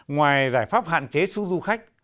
ngoài giải pháp hạn chế su du khách